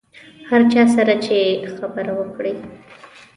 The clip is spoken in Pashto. هر چا سره چې خبره وکړې.